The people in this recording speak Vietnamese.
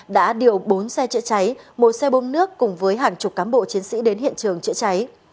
đã điều bốn xe chữa cháy một xe bơm nước cùng với hàng chục cán bộ chiến sĩ đến hiện trường chữa cháy